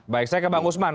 baik saya ke pak usman